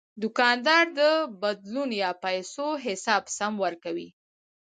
دوکاندار د بدلون یا پیسو حساب سم ورکوي.